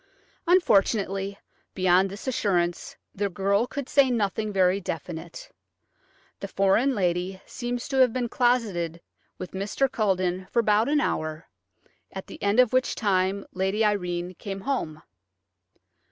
Unfortunately, beyond this assurance the girl could say nothing very definite. The foreign lady seems to have been closeted with Mr. Culledon for about an hour, at the end of which time Lady Irene came home.